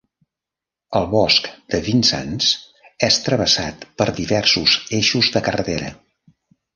El bosc de Vincennes és travessat per diversos eixos de carretera.